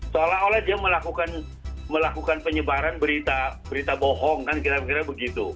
seolah olah dia melakukan penyebaran berita bohong kan kira kira begitu